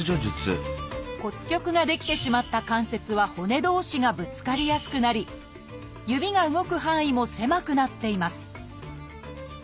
骨棘が出来てしまった関節は骨同士がぶつかりやすくなり指が動く範囲も狭くなっています